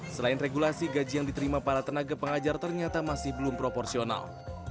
selain regulasi gaji yang diterima para tenaga pengajar ternyata masih belum proporsional